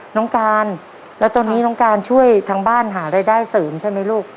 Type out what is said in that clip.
น้องการแล้วตอนนี้น้องการช่วยทางบ้านหารายได้เสริมใช่ไหมลูก